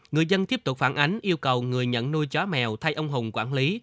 người dân tiếp tục phản ánh yêu cầu người nhận nuôi chó mèo thay ông hùng quản lý